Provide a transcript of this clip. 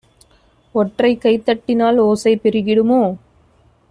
ஒற்றைக்கை தட்டினால் ஓசை பெருகிடுமோ